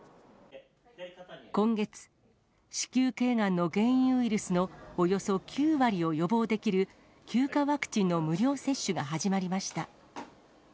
今月、子宮けいがんの原因ウイルスのおよそ９割を予防できる９価ワクチンの無料接種が始まりました。